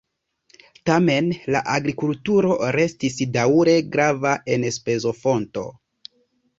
Tamen la agrikulturo restis daŭre grava enspezofonto.